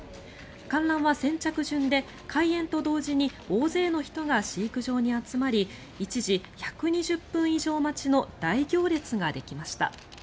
観覧は先着順で開園と同時に大勢の人が飼育場に集まり一時、１２０分以上待ちの大行列ができました。